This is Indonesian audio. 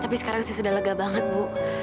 tapi sekarang saya sudah lega banget bu